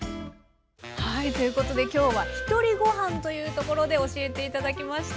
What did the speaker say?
はいということで今日はひとりごはんというところで教えて頂きました。